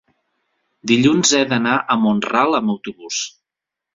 dilluns he d'anar a Mont-ral amb autobús.